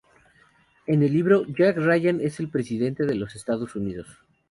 En el libro, Jack Ryan es el presidente de los Estados Unidos.